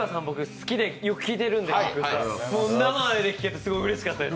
好きで、僕、よく聴いているんですけど、生で聴けてすごいうれしかったです。